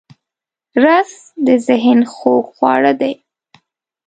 رس د ذهن خوږ خواړه دی